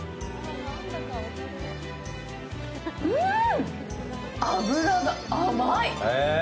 うーん、脂が甘い！